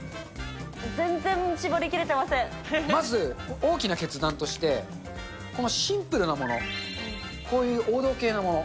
まず、大きな決断として、このシンプルなもの、こういう王道系のもの。